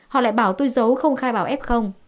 họ lại bảo tôi giấu không khai báo f